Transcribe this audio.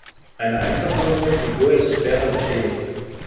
Die einfachere Figur ist schwerer beschädigt.